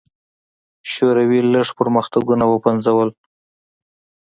شوروي لړ پرمختګونه وپنځول.